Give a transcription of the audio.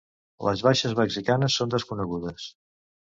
Les baixes mexicanes són desconegudes.